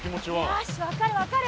よし分かる分かる。